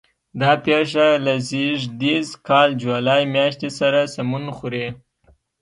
دا پېښه له زېږدیز کال جولای میاشتې سره سمون خوري.